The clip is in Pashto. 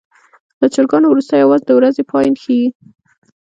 د چرګانو وروستی اواز د ورځې پای ښيي.